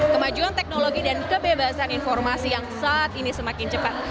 kemajuan teknologi dan kebebasan informasi yang saat ini semakin cepat